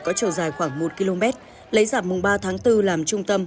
có chiều dài khoảng một km lấy giảm mùng ba tháng bốn làm trung tâm